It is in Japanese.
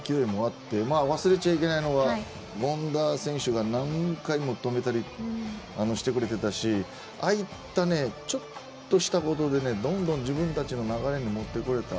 その勢いもあって忘れちゃいけないのは権田選手が何回も止めてくれたりしていたしああいったねちょっとしたことでどんどん自分たちの流れに持ってこれた。